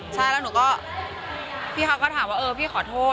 ใช่แล้วหนูก็พี่เขาก็ถามว่าเออพี่ขอโทษ